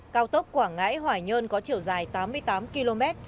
cao tốc quảng ngãi hòa nhơn có chiều dài tám mươi tám km